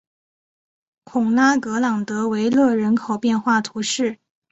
孔拉格朗德维勒人口变化图示